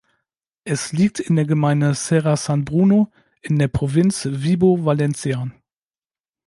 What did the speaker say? Es liegt in der Gemeinde Serra San Bruno in der Provinz Vibo Valentia.